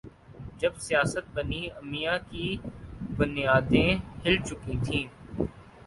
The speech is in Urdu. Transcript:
جب سیاست بنی امیہ کی بنیادیں ہل چکی تھیں